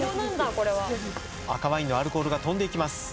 これは赤ワインのアルコールが飛んでいきます